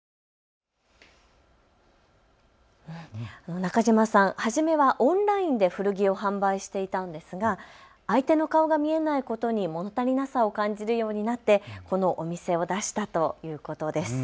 中島さん、初めはオンラインで古着を販売していたんですが相手の顔が見えないことにもの足りなさを感じるようになってこのお店を出したということです。